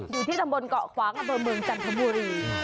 อยู่ที่ดำบลเกาะขวางกับบริเวณจันทบุรี